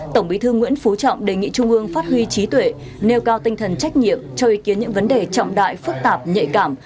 tổng bí thư nguyễn phú trọng đề nghị trung ương phát huy trí tuệ nêu cao tinh thần trách nhiệm cho ý kiến những vấn đề trọng đại phức tạp nhạy cảm